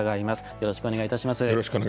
よろしくお願いします。